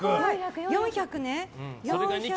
４００ね。